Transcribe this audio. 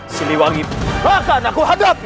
siliwangi pun akan aku hadapi